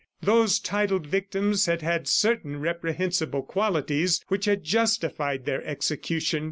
Those titled victims had had certain reprehensible qualities which had justified their execution.